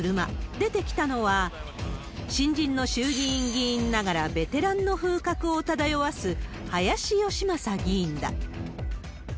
出てきたのは、新人の衆議院議員ながらベテランの風格を漂わす林芳正議員だ。